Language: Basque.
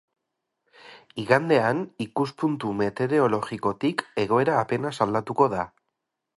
Igandean, ikuspuntu meteorologikotik egoera apenas aldatuko da.